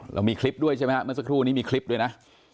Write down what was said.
เรามีคลิปด้วยใช่ไหมฮะเมื่อสักครู่นี้มีคลิปด้วยนะ